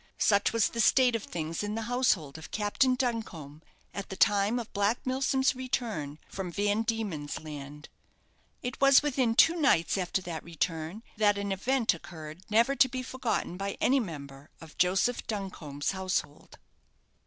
Such was the state of things in the household of Captain Duncombe at the time of Black Milsom's return from Van Diemen's Land. It was within two nights after that return, that an event occurred, never to be forgotten by any member of Joseph Duncombe's household.